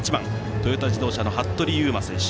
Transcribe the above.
トヨタ自動車の服部勇馬選手